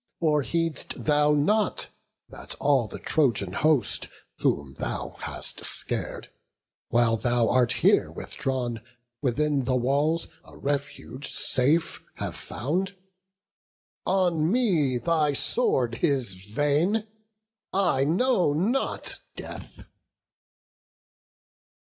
Or heed'st thou not that all the Trojan host Whom thou hast scar'd, while thou art here withdrawn, Within the walls a refuge safe have found? On me thy sword is vain! I know not death!"